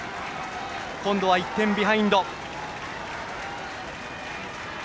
今度は１点ビハインド。